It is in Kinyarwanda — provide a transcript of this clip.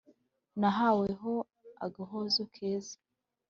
nahaweho agahozo keza